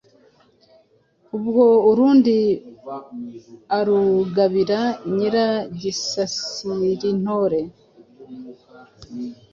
ubwo urundi arugabira Nyiragisasirintore